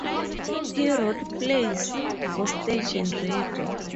He wrote plays for stage and radio.